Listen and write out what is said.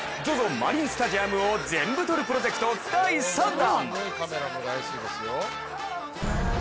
マリンスタジアムを「ぜんぶ撮る」プロジェクト第３弾。